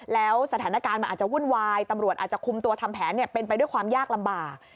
แล้วสถานการณ์มันอาจจะวุ่นวายตำรวจอาจจะคุมตัวทำแผนเป็นไปด้วยความยากลำบาก